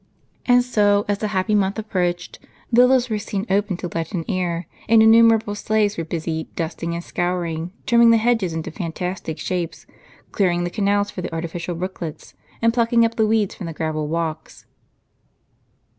And so, as the happy month approached, villas were seen open to let in air ; and innumerable slaves were busy, dusting and scouring, trimming the hedges into fantastic shapes, clearing the canals for the artificial brooklets, and plucking * Pampirms, pampino. up the weeds from the gravel walks.